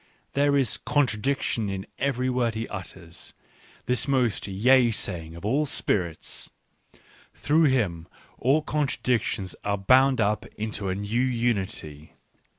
There is contradiction in every word that he utters, this most yea saying of all spirits. Through him all contradictions ardl bound up into a new unity.